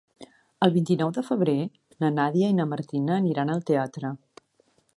El vint-i-nou de febrer na Nàdia i na Martina aniran al teatre.